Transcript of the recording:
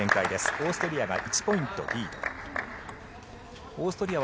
オーストリアが１ポイントリード。